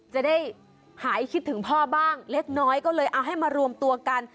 จะได้หายคิดถึงพ่อบ้างเล็กน้อยก็เลยเอาให้มารวมตัวกัน